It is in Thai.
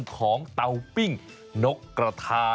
ตอบปิ้งนกกระทา